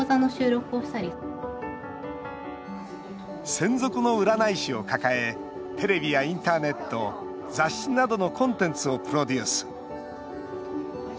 専属の占い師を抱えテレビやインターネット雑誌などのコンテンツをプロデュース。